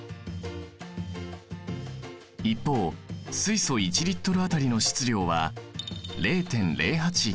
一方水素１Ｌあたりの質量は０．０８９ｇ。